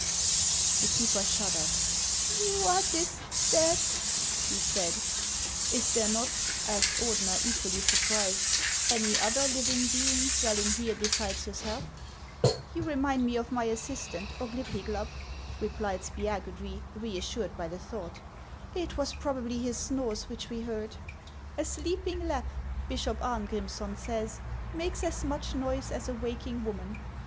The keeper shuddered. " What is that ?" he said. " Is there not," asked Ordener, equally surprised, '•' any other living being dwelling here besides yourself ?"" You remind me of iny assistant, Oglypiglap," replied Spiagudry, reassured by the thought. " It was probably his snores which we heard. A sleeping Lapp, Bishop Arngrimmsson says, makes as much noise as a waking woman."